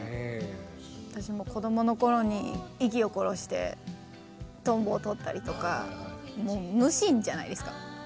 私も子供の頃に息をころしてトンボを採ったりとかもう無心じゃないですか。